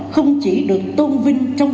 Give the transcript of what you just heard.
không chỉ được tôn vinh trong